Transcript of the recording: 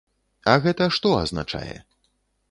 А гэта што азначае?